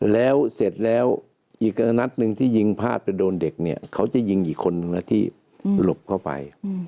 แล้วเสร็จแล้วอีกนัดหนึ่งที่ยิงพลาดไปโดนเด็กเนี่ยเขาจะยิงอีกคนนึงแล้วที่หลบเข้าไป